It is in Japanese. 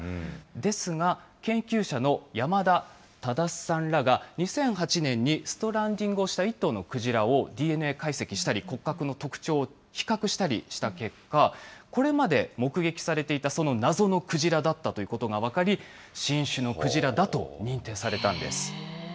ですが、研究者の山田格さんらが２００８年にストランディングをした１頭のクジラをＤＮＡ解析したり、骨格の特徴を比較したりした結果、これまで目撃されていたその謎のクジラだったということが分かり、新種のクジラだと認定されたんです。